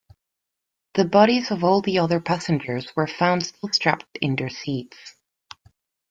The bodies of all the other passengers were found still strapped in their seats.